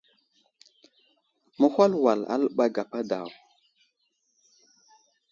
Mehwal wal aləɓay gapa daw.